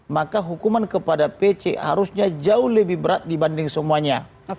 maka hukuman kepada pc harusnya jauh lebih berat dibanding semuanya